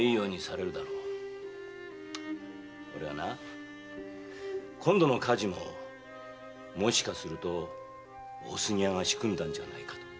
俺はな今度の火事ももしかすると大杉屋が仕組んだんじゃないかと疑ってるんだ。